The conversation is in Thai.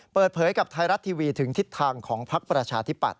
เปิดเผยกับไทยรัฐทีวีถึงทิศทางของพักประชาธิปัตย